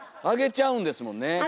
あげちゃうんですもんね。